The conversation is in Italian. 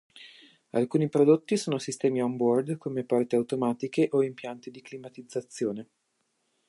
Altri prodotti sono sistemi "On-Board" come porte automatiche o impianti di climatizzazione.